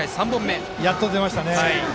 やっと出ましたね。